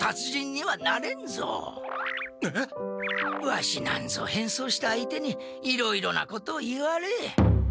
ワシなんぞ変装した相手にいろいろなことを言われ。